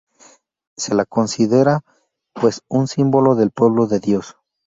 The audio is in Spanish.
Se la considera, pues, un símbolo del pueblo de Dios.